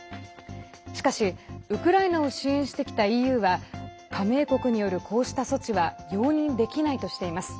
しかしウクライナを支援してきたＥＵは加盟国によるこうした措置は容認できないとしています。